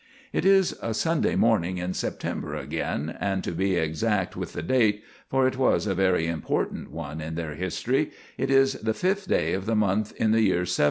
It is a Sunday morning in September again, and, to be exact with the date, for it was a very important one in their history, it is the fifth day of the month in the year '70.